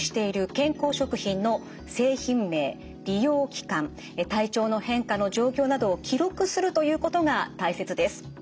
健康食品の製品名利用期間体調の変化の状況などを記録するということが大切です。